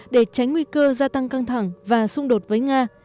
để tránh nguy cơ gia tăng căng thẳng và xung đột với nga